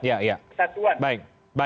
dan keadilan sosial